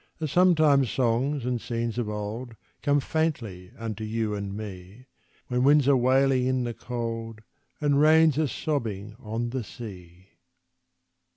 As sometimes songs and scenes of old Come faintly unto you and me, When winds are wailing in the cold, And rains are sobbing on the sea.